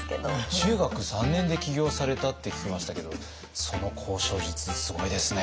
中学３年で起業されたって聞きましたけどその交渉術すごいですね。